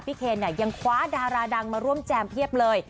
เคนเนี่ยยังคว้าดาราดังมาร่วมแจมเพียบเลย